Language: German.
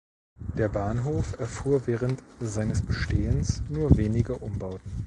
Der Bahnhof erfuhr während seines Bestehens nur wenige Umbauten.